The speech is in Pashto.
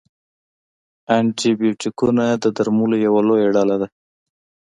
انټي بیوټیکونه د درملو یوه لویه ډله ده.